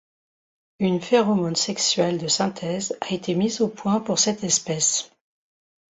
Une phéromone sexuelle de synthèse a été mise au point pour cette espèce.